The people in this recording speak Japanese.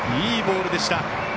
いいボールでした。